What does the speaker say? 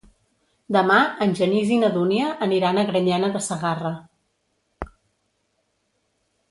Demà en Genís i na Dúnia aniran a Granyena de Segarra.